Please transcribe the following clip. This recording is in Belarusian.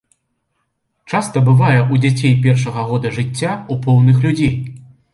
Часта бывае ў дзяцей першага года жыцця, у поўных людзей.